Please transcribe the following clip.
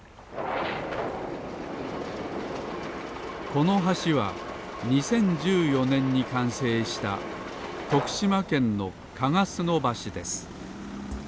この橋は２０１４ねんにかんせいしたとくしまけんのかがすのばしです